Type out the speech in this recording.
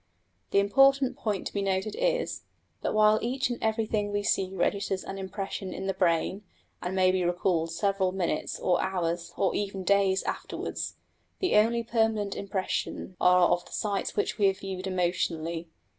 The important point to be noted is, that while each and everything we see registers an impression in the brain, and may be recalled several minutes, or hours, or even days afterwards, the only permanent impressions are of the sights which we have viewed emotionally.